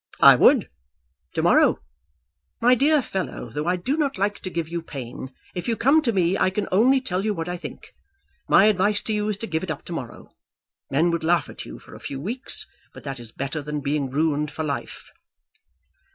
"I would; to morrow. My dear fellow, though I do not like to give you pain, if you come to me I can only tell you what I think. My advice to you is to give it up to morrow. Men would laugh at you for a few weeks, but that is better than being ruined for life."